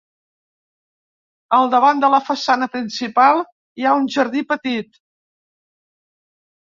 Al davant de la façana principal hi ha un jardí petit.